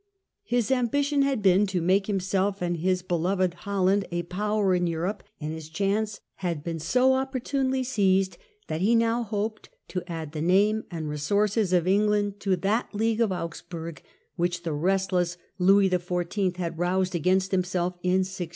His ambition had been to make himself and his be loved Holland a power in Europe, and his chance had been so opportunely seized that he now hoped . to add the name and resources of England to that League of Augsburg which the restless Louis XIV. had roused against himself in 1686.